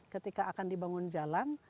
ketika akan dibangun jalan